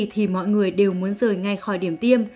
thì mọi người đều muốn rời ngay khỏi điểm tiêm